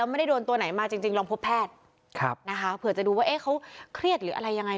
ไม่ได้โดนตัวไหนมาจริงจริงลองพบแพทย์นะคะเผื่อจะดูว่าเอ๊ะเขาเครียดหรืออะไรยังไง